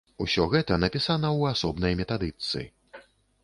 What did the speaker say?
Усё гэта напісана ў асобнай метадычцы.